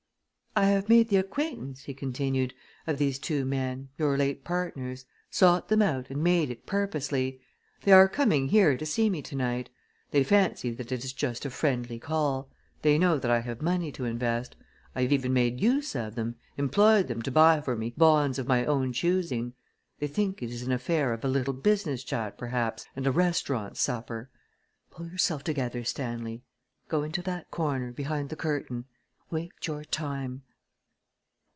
"I have made the acquaintance," he continued, "of these two men, your late partners sought them out and made it purposely. They are coming here to see me to night. They fancy that it is just a friendly call. They know that I have money to invest. I have even made use of them, employed them to buy for me bonds of my own choosing. They think it is an affair of a little business chat, perhaps, and a restaurant supper. Pull yourself together, Stanley! Go into that corner, behind the curtain. Wait your time!"